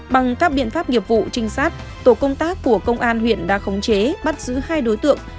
bằng các biện pháp nghiệp vụ trinh sát tổ công tác của công an huyện đã khống chế bắt giữ hai đối tượng